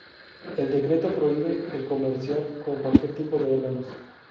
El Decreto prohíbe el comerciar con cualquier tipo de órganos.